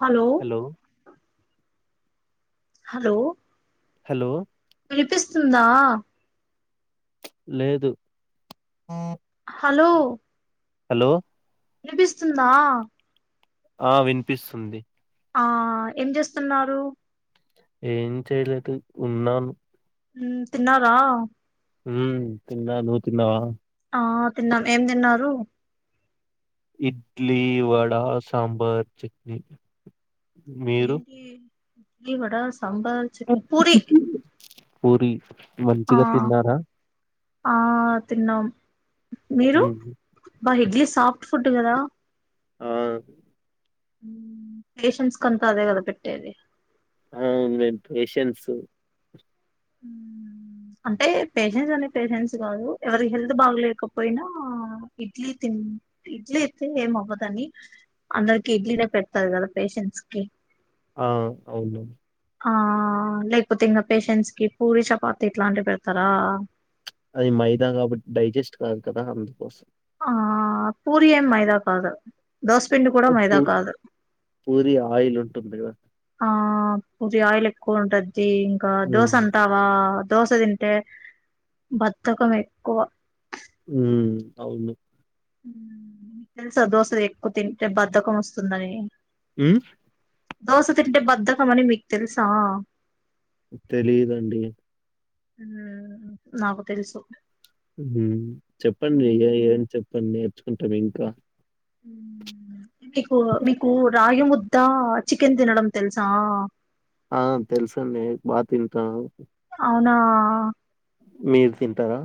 Hello hello hello వినిపిస్తుందా లేదు hello hello అనిపిస్తుందా ఆ వినిపిస్తుంది ఆ ఏం చేస్తున్నారు ఏం చెయలేతు ఉన్నాను ఉమ్ తిన్నారా ఉమ్ తిన్నా ను తిన్నావా ఆ తిన్నా ఏం తిన్నారు ఇడ్లీ వడా సాంబార్ చట్నీ మీరు ఏంటి డ్లి వడా స్ సాంబార్ చట్నీ పూరి పూరి ఆ మంచిగ తిన్నారా ఆ తిన్నాం మీరు ఉమ్ బా ఇడ్లీ సాఫ్ట్ ఫుడ్ కదా ఆ మ్ పేషన్స్ కంతా అదే కదా పెట్టేది అవును మేము పేషంట్స్ ఉమ్ అంటే పేషెంట్స్ అంటే పేషెంట్స్ కాదు ఎవరి హెల్త్ బాగలేకపోయినా ఇడ్లీ తిం ఇడ్లీ అయితే ఏం అవ్వదని అందరికి ఇడ్లీనే పెడతారు కదా పేషెంట్స్ కి ఆ అవును ఆ లేకపోతే ఇంకా పేషెంట్స్ కి పూరి చపాతి ఇట్లాంటివి పెడతారా అది మైదా కాబట్టి డైజెస్ట్ కాదు కదా అందుకోసం ఆ పూరి ఏమ్ మైదాకాదు దోశపిిండి కూడా పూ మైదా కాదు పూరి ఆయిల్ ఉంటుంది కదా ఆ పుది ఆయిల్ ఎక్కువ ఉంటద్ తి ఇంకా దోస ఉమ్ అంటావా దోస తింటే బద్దకం ఎక్కువ ఉమ్ అవును మ్మ్ తెలుసా దోసెలు ఎక్కువ తింటే బద్ధకం వస్తుందని మ్మ్ దోస తింటే బద్ధకం అని మీకు తెలుసా తెలీదండి మ్మ్ నాకు తెలుసు మ్మ్ చెప్పండి ఏం చెప్ప కొన్ నేర్చుకుంటాం ఇంకా హ్మ్ మీకు మీకు రాగిము ద్దా చికెన్ తినడం తెలుసా ఆ తెలుసండి బా తింటా అవునా మీరు తింటారా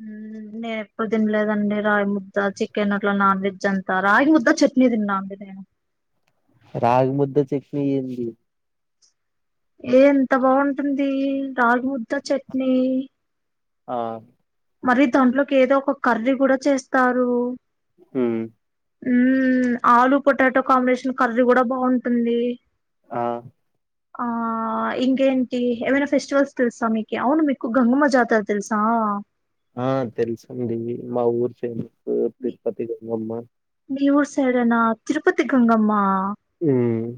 హ్మ్ నేను ఎప్పుడు తినలేదండి రాయి ముద్ద చికెన్ అట్లా నాన్ వెజ్ అంతా రాగి ముద్ద చట్నీ తిన్నా అండి నేను రాగి ముద్ద చెట్నీ ఏందీ ఏ ఎంత బాగుంటుంది రాగి ముద్ద చట్నీ ఆ మరి దాంట్లోకి ఏదో ఒక కర్రీ కూడా చేస్తారు హ్మ్ హ్మ్ ఆలు పొటాటా కాంబినేషన్ కర్రీ కూడా బాంటుంది ఆ ఆ ఇంకేంటి ఏమైనా ఫెస్టివల్స్ తెలుసా మీకు అవును మీకు గంగమ్మ జాతర తెలుసా ఆ తెలుసండి మా ఊరి చె మీ తిరుపతి కొంగమ్మ మీ ఊరు సైడేనా తిరుపతి గంగమ్మ హ్మ్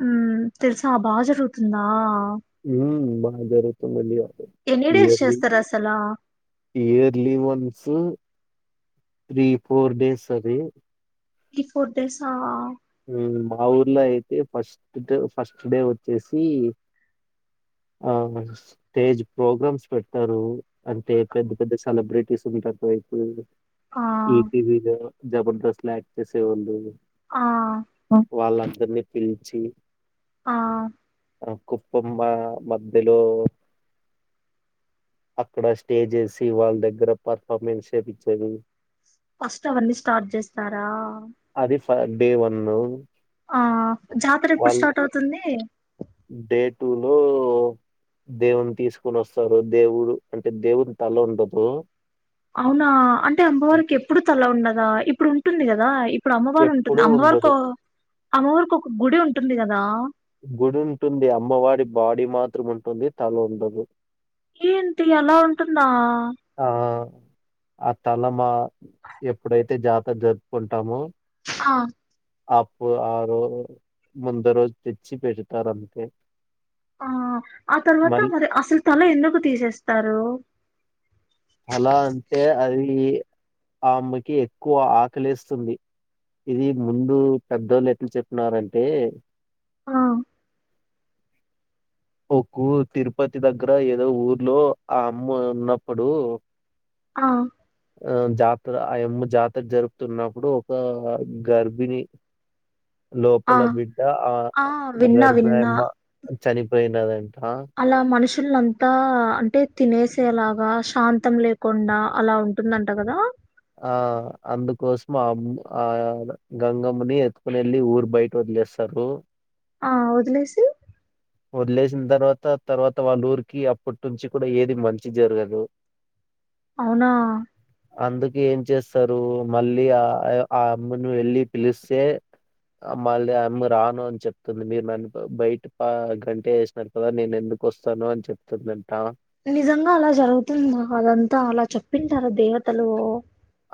హ్మ్ తెలుసా బాగా జరుగుతుందా హ్మ్ బ అ జరుగుతుందండి ఎన్ని డేస్ ఇయర్లీ చేస్తారు అసలా yearly once three four days అది ఇ ఫోర్ డేసా హ్మ్ మా ఊర్లో అయితే ఫస్ట్ డ్ ఫస్ట్ డే వచ్చేసి ఆ స్టేజ్ ప్రోగ్రామ్స్ పెడతారు అంటే పెద్ద పెద్ద సెలబ్రిటీస్ ఉంటారు ఒకవైపు ఆ ఈతి విద జబర్దస్త్ లో యాక్ట్ చేసేవొళ్ళు ఆ వాళ్ళందరినీ పిలిచి ఆ కుప్పమ్మ మధ్యలో అక్కడ స్టేజ్ వేసి వాళ్ళ దగ్గర పర్ఫార్మెన్స్ చేపించేది. ఫస్ట్ అవన్నీ స్టార్ట్ చేస్తారా అది ఫ డే వన్ ఆ జాతర ఎప్పుడు స్టార్ట్ అవుతుంది. డే టూ లో దేవుని తీసుకోని వస్తారు దేవుడు అంటే దేవుని తల ఉండదు అవునా అంటే అమ్మవారికి ఎప్పుడు తల్ల ఉన్నద్ దా ఇప్పుడు ఉంటుంది కదా ఇప్పుడు అమ్మవారు ఉంటుంది ఎప్పుడూ ఉండదు. అమ్మవారికో అమ్మవారికి ఒక గుడి ఉంటుంది కదా గుడి ఉంటుంది అమ్మవడి బాడీ మాత్రం ఉంటుంది తల ఉండదు ఏంటి అలా ఉంటుందా ఆ ఆ తలమా ఎప్పుడైతే జాతర జరుపుకుంటామో ఆ అప్పు ఆ రో ముందు రోజు తెచ్చి పెడతారు అంతే ఆ ఆ తర్వాత మరి అసలు తల ఎందుకు తీసేస్తారు. అలా అంటే అది ఆ అమ్మకి ఎక్కువ ఆకలెస్తుంది ఇది ముందు పెద్దోళ్ళు ఎట్ల చెప్పినారంటే ఆ ఒక్కో తిరుపతి దగ్గర ఏదో ఊర్లో ఆ అమ్మ ఉన్నప్పుడు ఆ ఆ జాతర ఆయమ్మ జాతర జరుపుతున్నప్పుడు ఒక గర్భిణి ఆ లోపల బిడ్డ ఆ విన్నా విన్నా గర్బ్యమ్మ చనిపో పోయినాదండి. అలా మనుషుల్లంతా అంటే తినేసేలాగా శాంతం లేకుండా అలా ఉంటుందంట కదా ఆ అందుకోసం ఆమ్మ ఆ గంగమ్నని ఎత్తుకుని వెళ్ళి ఊరు బయట వదిలేస్తారు. ఆ వదిలేసి వదిలేసిన తర్వాత తర్వాత వాళ్ళ ఊరికి అప్పటి నుంచి కూడా ఏది మంచి జరగదు. అవునా అందుకు ఏం చేస్తారు మళ్ళీ ఆ ఆ అమ్మను వెళ్ళి పిలిస్తే మళ్ళీ అమ్మ రాను అని చెప్తుంది మీరు నన్ బయటకు ఆ గంటేసినారు కదా నేను ఎందుకు వస్తాను అని చెప్తుందంట నిజంగా అలా జరుగుతుంద అదంతా అలా చెప్పింటారు దేవతలు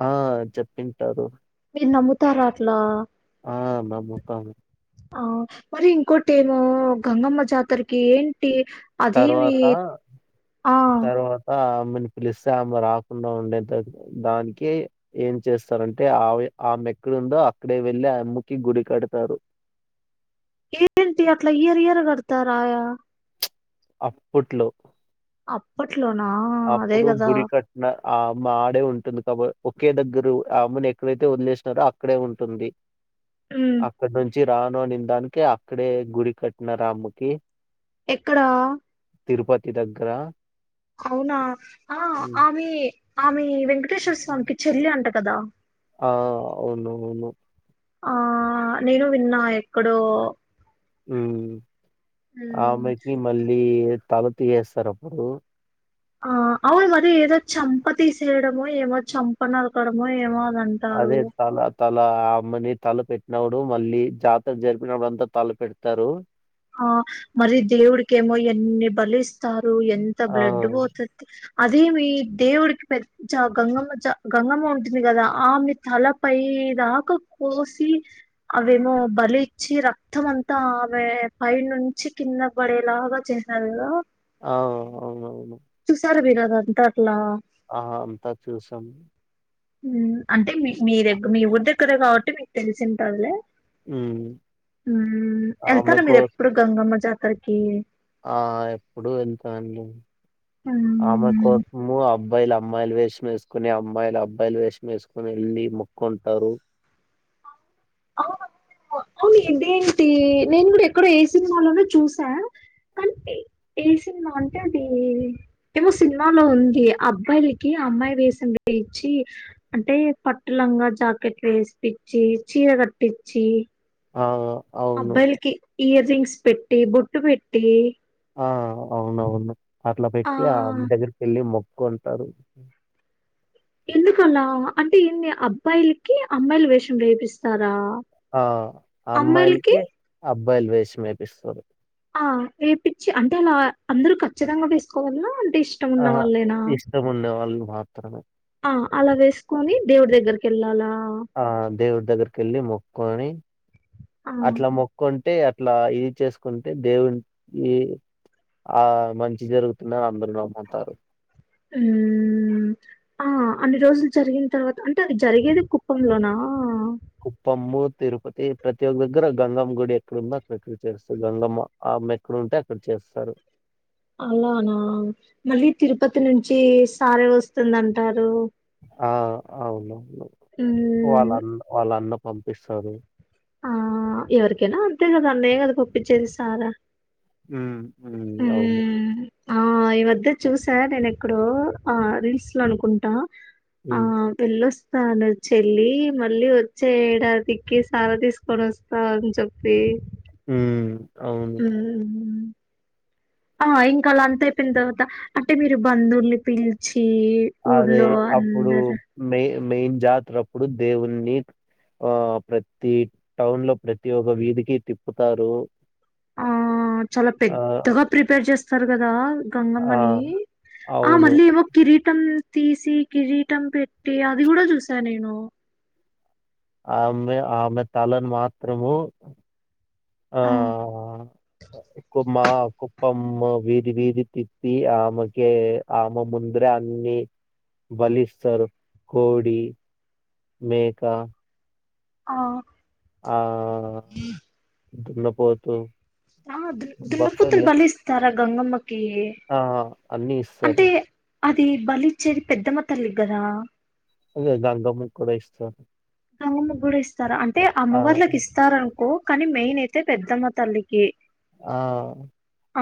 ఆ చెప్పింటారు. మీరు నమ్ముతారా అట్లా ఆ నమ్ముత ఆ మరి ఇంకోటి ఏమో గంగమ్మ జాతరకి టీ అదేమి తర్వాత ఆ అమ్మని పిలిస్తే ఆమె రాకుండా ఉండేంత దానికి ఏం చేస్తారంటే ఆవి ఆమె ఎక్కడందో అక్కడే వెళ్ళి ఆయమ్మకి గుడి కడతారు ఏంటి అట్లా ఇయర్ ఇయర్ కడతారాయా అప్పుట్లో అప్పుట్ ట్లోనా అదే కదా గుడి కట్టిన ఆ అమ్మ ఆడే ఉంటుంది కాబో ఒకే దగ్గరు అమ్మను ఎక్కడైతే వదిలేసినారో అక్కడే ఉంటుంది ఉమ్ అక్కడ్ నుంచి రాను అనిన దానికి అక్కడే గుడి కట్నారామెకి ఎక్కడా తిరుపతి దగ్గర అవునా ఆ హ్మ్. ఆమె ఆమి వెంకటేశ్వర స్వామికి చెల్లి అంట కదా ఆ అవును అవును ఆ నేనూ విన్నా ఎక్కడో ఉమ్ మ్ ఆమెకి మళ్ళీ ఏద్ తల తీయేస్తారు అప్పుడు ఆ అవును మరి ఏదో చంప తీసేయడమో ఏమో చంప నరకడమో ఏమో అని అంటారు అదే తలధ్ తల ఆ అమ్మని తల పెట్టినవుడు మళ్ళీ జాతర జరిపినప్పుడు అంతా తల పెడతారు ఆ మరి దేవుడికేమో ఎన్ని బలిస్తా రు ఎంత ఆ! బ్లడ్ పోతద్ది అదేమీ దేవుడికి పె చ గంగమ్మ జ గంగమ్మ ఉంటుంది కదా ఆమె తలపై దాకా కోసి అవేమో బలిచ్చి రక్తం అంతా ఆమె పై నుంచి కింద పడేలాగా చేసారు కదా అవున్ అవునవును గంతట్లా ఆ అంతా చూసాం మ్ అంటే మీ మీ దగ్ మీ ఊరి దగ్గరే కాబట్టి మీకు తెలిసింటాదిలే హ్మ్. మ్ ఆమె ఎళ్తారా కో మీరు ఎప్పుడూ గంగమ్మ జాత్ క్కడికి ఆ ఎప్పుడు ఎంత అండి ఆమె ఉమ్, కోసము అబ్ అబ్బాయిలు అమ్మాయిలు వేషం వేసుకొని అమ్మాయిలు అబ్బాయిలు వేషం వేసుకొని ఎల్లి మొక్కుంటారు అవును అవును ఇదేంటి నేను కూడా ఎక్కడో ఏ సినిమాలోనో చూసా కానీ ఏ సినిమా అంటే అది ఏమో సినిమాలో ఉంది అబ్బాయిలకి అమ్మాయి వేషం వేయిచ్చి అంటే పట్టులంగా జాకెట్లు వేసిచ్చి చీర కట్టిచ్చి ఔ అబ్బాయిలకి ఇయర్ రింగ్స్ పెట్టి బొట్టు పెట్టి అ అవునవును అట్లా ఆ పెట్టి ఆమ్ దగ్గరికి వెళ్ళి మొక్ కొంటారు ఎందుకలా అంటే ఏంది అబ్బాయిలకి అమ్మాయిల వేషం వేపిస్తారా ఆ అమ్మాయిలకి అమ్మాయిల్కి అబ్ అబ్బాయిల వేషం వేపిస్తారు ఆ వేపిచ్చి అంటే అలా అందరు కచ్చితంగా వేసుకోవాల్నా ఆహా ఇష్టముఉండే వాళ్ళు మా త్రమే ఆ అలా వేసుకొని దేవుడి దగ్గరకి ఏళ్ళాలా ఆ దేవుడి దగ్గర్కేల్లి మోక్ కొనీ ఆ అట్లా మొక్కుంటే అట్ ఇట్లా ఇది చేసుకుంటే దేవునికి ఆ మంచి జరుగుతుందని అందరూ నమ్ముతారు హ్మ్ ఆ అన్ని రోజులు జరిగిన తర్వాత అంటే అది జరిగేది కుప్పంలోనా కుప్పము తిరుపతి ప్రతి ఒక్క దగ్గర గంగమ్మ గుడి ఎక్కడంద అక్కడ ఎక్కడ చేస్తారు గంగమ్మ అమ్మ ఎక్కడ ఉంటే అక్కడ చేస్తారు అలానా మళ్ళీ తిరుపతి నుంచి సారే వస్తుంది అంటారు ఆ అవును ఉమ్ వాళ్ళన్న వాళ్ళ అన్న పంపిస్తారు ఆ ఎవరికైనా అంతే కదా అన్నయ్య కదా పొప్పిచ్చేది సారా హ్మ్ హ్మ్. అవును. హ్మ్ ఆ ఈ వద్ద చూసా నేను ఎక్కడో ఆ రీల్స్ లో అనుకుంటా ఆ హ్మ్. పిల్లో స్ తను చెల్లి మళ్ళీ వచ్చే ఏడాదికి సార తీసుకొని వస్తా అని చెప్పి హ్మ్ అవును. హ్మ్మ్ ఆ ఇంకా అలా అంత అయిపోయిన తర్వాత అంటే మీరు బంధువుల్ని పిలిచి అదే ఊర్లో అప్పుడు అందరు మె మెయిన్ జాతరప్పుడు దేవుణ్ణి ఆ ప్రతి టౌన్ లో ప్రతి ఒక్క వీధికి తిప్పుతారు ఆ చాలా ఆ! పెద్దగా ప్రిపేర్ చేస్త సారు కదా ఆ! గంగమ్మని ఆ అవును. మళ్ళీ ఏమో కిరీ కం తీసి కిరీటం పెట్టి అది కూడా చూసా నేను ఆమె ఆమె తలను మాత్రము ఆ ఒ మా కుప్పం వీధి వీధి తిప్పి ఆమెకే ఆమె ముందరే అన్నీ బలిస్తారు. కోడి మేక ఆ ఆ దున్నపోతు ఆ దు దున్న పోతున్ బఫెల్ బలిస్తారా గంగమ్మ కి అన్ని ఇస్తారు అది బలిచ్చేది పెద్దమ్మ తల్లికి గదా అదే గంగమ్మ కి కూడా ఇస్తరూ గంగమ్మ కి కూడా ఇస్తారా అం అంటే అమ్మవార్లకి ఇస్తారనుకో కానీ మెయిన్ అయితే పెద్దమ్మ తల్లికి ఆ ఆ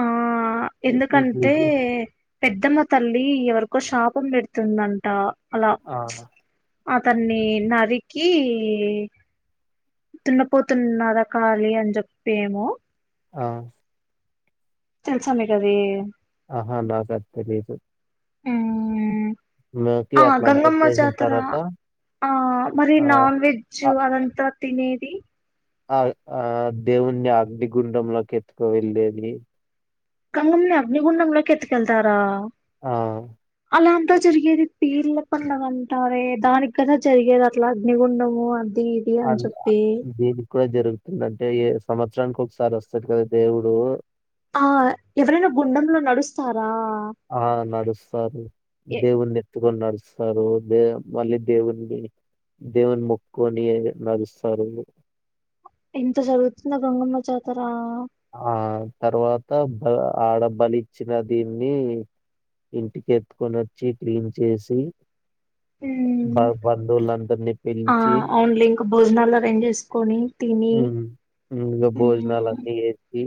ఇటు ఎందుకంటే ఇటు పెద్దమ్మ తల్లి ఎవరకో శాపం పెడుతుందంట అలా ఆ అతన్ని నాది కీ దున్నపోతున్నదా కాాలి అని చెప్పి ఏమో ఆ తెలుసా మీ కదీ ఆహా నాకది తెలీదు. హ్మ్ నాకి ఆ అట్లంతా గంగమ్మ చేసిన జాతర తర్వాత ఆ మరి ఆ నాన్ వెజ్జు ఆ అదంత తినేది ఆ ఆ దేవుణ్ణి అగ్నిగుండంలోకి ఎత్తుకువెళ్ళేది గంగమ్ని అగ్నిగుండంలో కి ఎత్కెళ్తారా ఆ అలా అంతా జరిగేది పీర్ల పండగ అంటారే దానికి కదా జరిగేది అట్లా అగ్నిగుండము అని ఇది అంట్ అ చెప్పి దీనికి కూడా జరుగుతుంది అంటే ఏ సమ సంవత్సరానికి ఒకసారి వస్తాడు కదా దేవుడు వస్తారా ఆ నడుస్తారు ఎ- దేవుని ఎత్తుకొని నడుస్తారు దే మళ్ళీ దేవుని దేవుని మొక్క్కకొని నడుస్తారు. ఇంత జరుగుతుందా గంగమ్మ జాతర ఆ తర్వాత బ ఆడబలి ఇచ్చిన దీన్ని ఇంటికి ఎత్తుకొని వచ్చి క్లీన్ చేసి బ ఉమ్, బంధువులందరినీ ఆ పిలిచి అవునులే ఇంకా భోజనాలు అరేంజ్ చేసుకొని తిని ఇంక భోజనాలన్నీ ఏ ఇ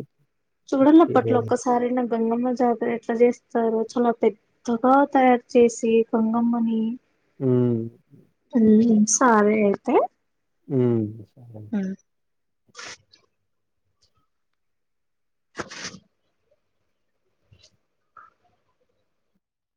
చూడాల్లప్పా అట్లా ఒక్కసారైనా గంగమ్మ జాతర ఎట్లా చేస్తారు చాలా పెద్దగా తయారు చేసి గంగమ్మని హ్మ్ హ్మ్ సరే అయితే హ్మ్ హ్మ్